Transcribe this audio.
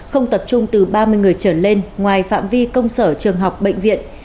không tập trung từ ba mươi người trở lên ngoài phạm vi công sở trường học bệnh viện